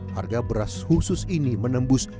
harga beras khusus ini menembus